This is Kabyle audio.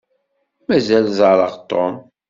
Mazal ẓeṛṛeɣ Tom.